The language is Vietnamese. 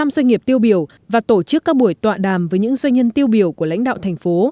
một mươi doanh nghiệp tiêu biểu và tổ chức các buổi tọa đàm với những doanh nhân tiêu biểu của lãnh đạo thành phố